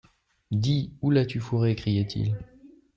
Dis, où l'as-tu fourrée ? criait-il.